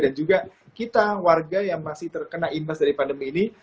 dan juga kita warga yang masih terkena imbas dari pandemi ini